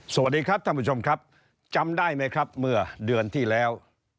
สวัสดีครับท่านผู้ชมครับจำได้ไหมครับเมื่อเดือนที่แล้ว